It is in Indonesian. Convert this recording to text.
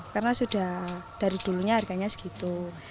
karena sudah dari dulunya harganya segitu